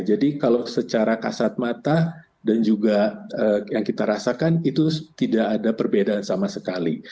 jadi kalau secara kasat mata dan juga yang kita rasakan itu tidak ada perbedaan sama sekali